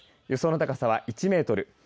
予想の高さは１メートル。